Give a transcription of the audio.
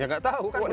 ya nggak tahu kan